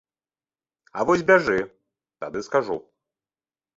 А вось бяжы, тады скажу.